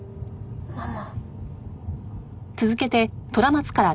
ママ。